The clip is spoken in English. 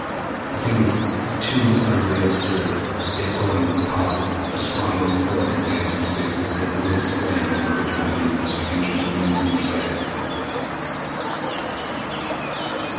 The thing was too utterly absurd yet Gordon was positive that the strong oak floor of the dancing space was visibly swaying and creaking beneath the stranger's mincing tread!